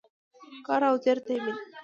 کار او زیار دایمي دی